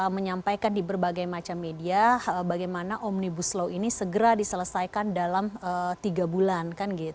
menyampaikan di berbagai macam media bagaimana omnibus law ini segera diselesaikan dalam tiga bulan